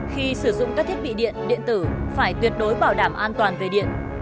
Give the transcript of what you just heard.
khi sử dụng các thiết bị điện điện tử phải tuyệt đối bảo đảm an toàn về điện